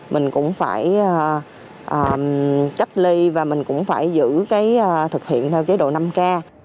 mình cũng phải cách ly và mình cũng phải giữ cái thực hiện theo chế độ năm k